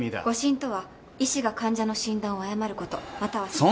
誤診とは医師が患者の診断を誤ることまたは。